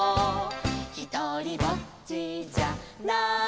「ひとりぼっちじゃないさ」